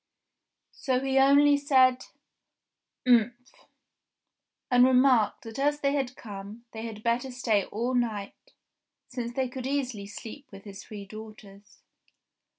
So he only said, "Umph!" and remarked that as they had come, they had better stay all night, since they could easily sleep with his three daughters.